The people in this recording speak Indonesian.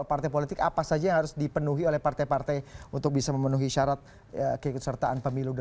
partai politik apa saja yang harus dipenuhi oleh partai partai untuk bisa memenuhi syarat keikutsertaan pemilu dua ribu sembilan belas